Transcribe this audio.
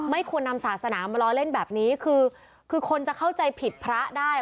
ควรนำศาสนามาล้อเล่นแบบนี้คือคือคนจะเข้าใจผิดพระได้